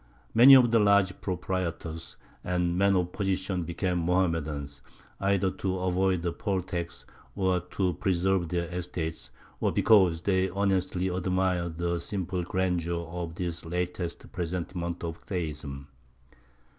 Many of the large proprietors and men of position became Mohammedans, either to avoid the poll tax, or to preserve their estates, or because they honestly admired the simple grandeur of this latest presentment of theism.